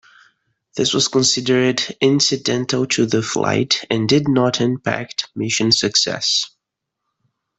This was considered incidental to the flight and did not impact mission success.